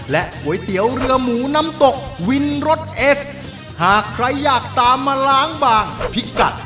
ก๋วยเตี๋ยวเรือหมูน้ำตกวินรถเอสหากใครอยากตามมาล้างบางพิกัด